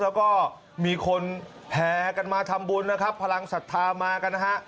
แล้วก็มีคนแห่กันมาทำบุญนะครับพลังศรัทธามากันนะฮะ